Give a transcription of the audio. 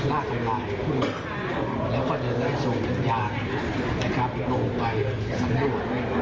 อ๋อไม่ไม่ความจริงนะครับหมายความจริงว่าในขั้นนี้นะครับเราจะนำสมมุติก็